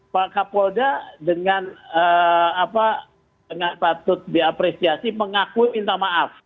pak kapolda dengan patut diapresiasi mengakui minta maaf